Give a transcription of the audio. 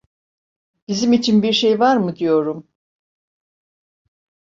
Bizim için bir şey var mı diyorum!